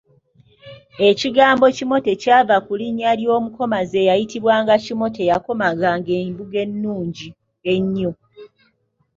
Ekigambo kimote kyava ku linnya lya mukomazi eyayitibwanga Kimote eyakomaganga embugo ennungi ennyo.